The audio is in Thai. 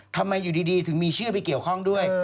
ทำไมอยู่ดีถึงมีชื่อไปเกี่ยวข้องด้วย